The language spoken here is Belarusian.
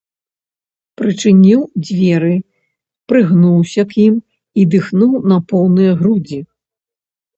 Прычыніў дзверы, прыгнуўся к ім і дыхнуў на поўныя грудзі.